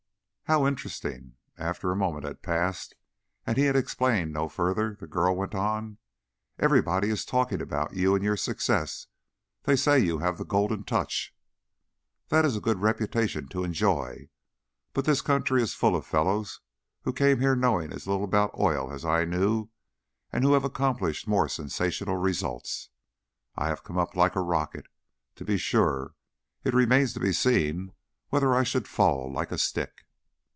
"How interesting." After a moment had passed and he had explained no further, the girl went on: "Everybody is talking about you and your success. They say you have the golden touch." "That is a good reputation to enjoy; but this country is full of fellows who came here knowing as little about oil as I knew and who have accomplished more sensational results. I've come up like a rocket, to be sure; it remains to be seen whether I shall fall like a stick."